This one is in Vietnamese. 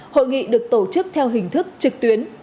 hội nghị được tổ chức theo hình thức trực tuyến